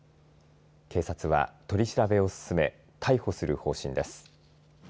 警察は取り調べを進め逮捕する方針です。